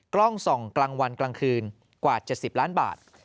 กล้องส่องกลางวันกลางคืนกว่า๗๐ล้านบาท